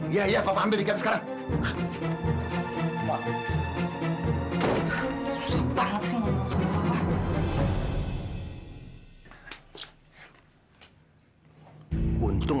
iya iya papa ambil tiket sekarang